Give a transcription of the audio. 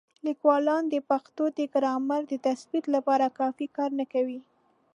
لیکوالان د پښتو د ګرامر د تثبیت لپاره کافي کار نه کوي.